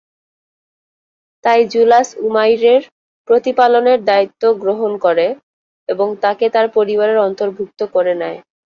তাই জুলাস উমাইরের প্রতিপালনের দায়িত্ব গ্রহণ করে এবং তাকে তার পরিবারের অন্তর্ভূক্ত করে নেয়।